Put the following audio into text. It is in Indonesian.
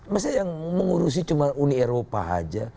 masa yang mengurusi cuma uni eropa aja